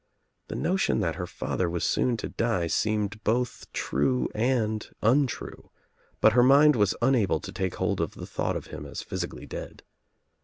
The notion that her father was soon to die seemed both true and untrue, but her mind was unable to take hold of the thought of him as physically dead.